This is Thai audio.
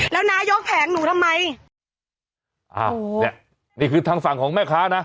แล้วน้ายกแผงหนูทำไมอ้าวเนี้ยนี่คือทางฝั่งของแม่ค้านะ